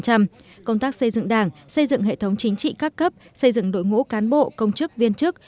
công tác xây dựng đảng xây dựng hệ thống chính trị các cấp xây dựng đội ngũ cán bộ công chức viên chức